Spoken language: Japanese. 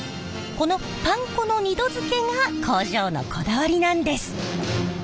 このパン粉の２度づけが工場のこだわりなんです！